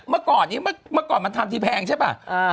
เมื่อก่อนมันทำทีแพงใช่ปะ